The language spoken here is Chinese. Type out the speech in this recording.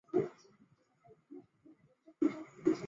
赢得特定的比赛亦能解锁纪录片和一些额外的示范影片。